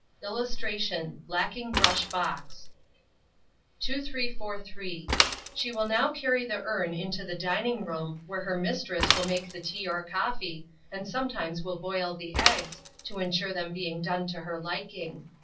[Illustration: BLACKING BRUSH BOX.] 2343. She will now carry the urn into the dining room, where her mistress will make the tea or coffee, and sometimes will boil the eggs, to insure them being done to her liking.